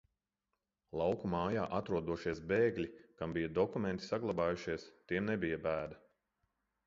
Lauku mājā atrodošies bēgļi, kam bija dokumenti saglabājušies, tiem nebija bēda.